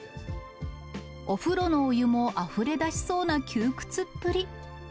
お風呂のお湯もあふれ出しそうな窮屈っぷり。